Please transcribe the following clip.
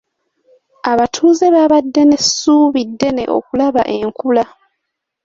Abatuuze baabadde n'essuubi ddene okulaba enkula.